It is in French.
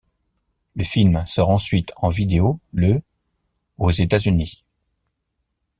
Le film sort ensuite en vidéo le aux États-Unis.